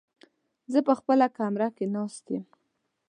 زه په خپله کمره کې ناست يم.